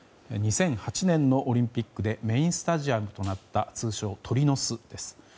２００８年のオリンピックでメインスタジアムとなった通称、鳥の巣です。